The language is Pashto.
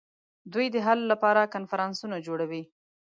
دوی د حل لپاره کنفرانسونه جوړوي